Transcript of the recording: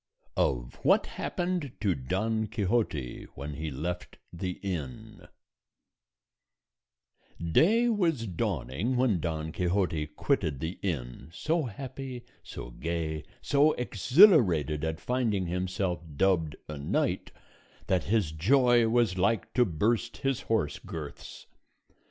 OF WHAT HAPPENED TO DON QUIXOTE WHEN HE LEFT THE INN Day was dawning when Don Quixote quitted the inn, so happy, so gay, so exhilarated at finding himself dubbed a knight, that his joy was like to burst his horse girths.